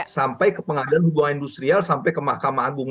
sampai ke pengadilan hubungan industrial sampai ke mahkamah agung